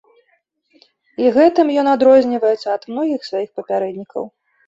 І гэтым ён адрозніваецца ад многіх сваіх папярэднікаў.